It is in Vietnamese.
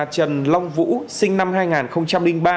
trần long vũ sinh năm hai nghìn ba